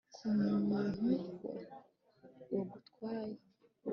ku muntu wagutwaye